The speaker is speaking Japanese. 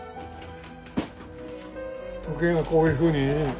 時計がこういうふうに。